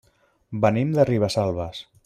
Venim de Ribesalbes.